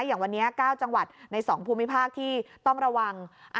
อย่างวันนี้๙จังหวัดใน๒ภูมิภาคที่ต้องระวัง